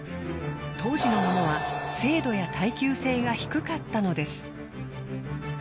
当時のものは精度や耐久性が低かったのです。